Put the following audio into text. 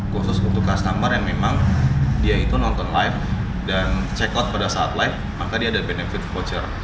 khusus untuk customer yang memang dia itu nonton live dan check out pada saat live maka dia ada benefit voucher